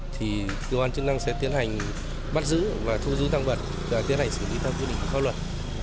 thì cơ quan chức năng sẽ tiến hành bắt giữ và thu giữ tăng vật và tiến hành xử lý theo quy định của pháp luật